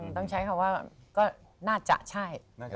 ต้องใช้คำว่าก็น่าจะใช่